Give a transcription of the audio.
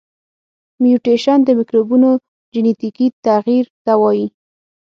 میوټیشن د مکروبونو جنیتیکي تغیر ته وایي.